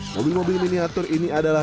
mobil mobil miniatur ini adalah